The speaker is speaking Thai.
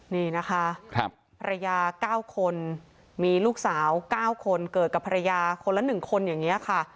นี่นะคะภรรยา๙คนมีลูกสาว๙คนเกิดกับภรรยาคนละ๑คนอย่างนี้ค่ะ